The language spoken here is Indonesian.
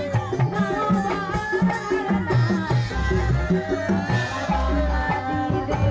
ya udah sampai ini